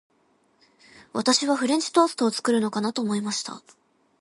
私はフレンチトーストを作るのかなと思いました。